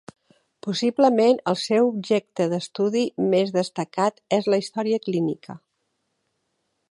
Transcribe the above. Possiblement el seu objecte d’estudi més destacat és la història clínica.